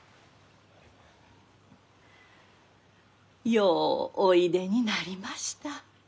ようおいでになりました。